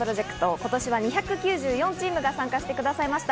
今年は２９４チームが参加してくださいました。